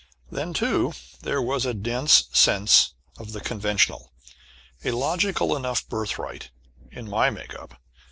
Then, too, there was a dense sense of the conventional a logical enough birthright in my make up.